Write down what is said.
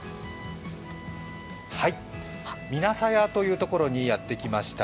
南斎院というとこにやってきました。